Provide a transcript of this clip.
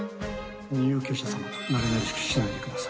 入居者様となれなれしくしないでください。